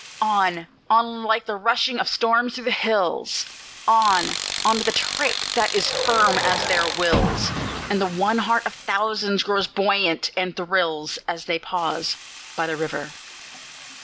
_" On! on! like the rushing of storms through the hills, On! on! with a tramp that is firm as their wills, And the one heart of thousands grows buoyant, and thrills, As they pause by the river.